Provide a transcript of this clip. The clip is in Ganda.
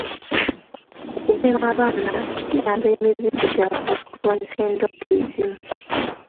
Okugema abaana kiyamba emibiri gyabwe okulwanisa endwadde ezimu.